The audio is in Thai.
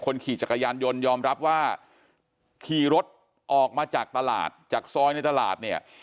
ขี่จักรยานยนต์ยอมรับว่าขี่รถออกมาจากตลาดจากซอยในตลาดเนี่ย